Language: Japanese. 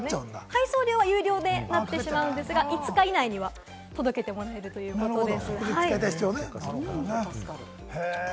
配送料は有料ですが、５日以内に届けてもらえるということです。